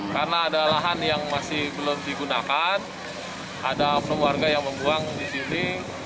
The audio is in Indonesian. karena ada lahan yang masih belum digunakan ada keluarga yang membuang disini